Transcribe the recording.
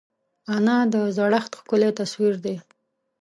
انا د زړښت ښکلی تصویر ده